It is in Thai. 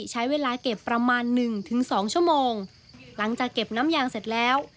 ใช้เวลาเก็บประมาณหนึ่งถึงสองชั่วโมงหลังจากเก็บน้ำยางเสร็จแล้ว